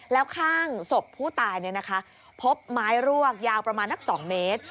แล้วข้างศพผู้ตายพบไม้รวกยาวประมาณนัก๒เมตร